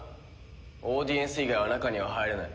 オーディエンス以外は中には入れない。